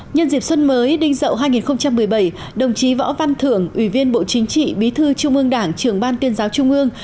nhân dịp xuân mới đinh dậu hai nghìn một mươi bảy đồng chí võ văn thưởng ủy viên bộ chính trị bí thư trung ương đảng trưởng ban tuyên giáo trung ương